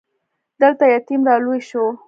دلته يتيم را لوی شو.